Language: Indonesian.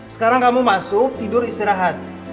sekarang kamu masuk tidur istirahat